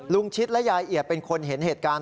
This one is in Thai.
ชิดและยายเอียดเป็นคนเห็นเหตุการณ์